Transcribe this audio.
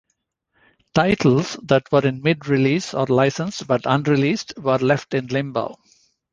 Titles that were in mid-release or licensed but unreleased were left in limbo.